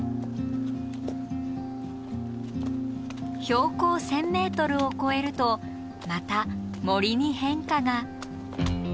標高１，０００ｍを超えるとまた森に変化が。